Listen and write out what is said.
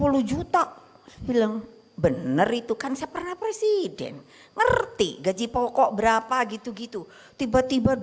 sepuluh juta bilang bener itu kan saya pernah presiden ngerti gaji pokok berapa gitu gitu tiba tiba